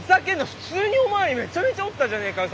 普通にお巡りめちゃめちゃおったじゃねえかよ。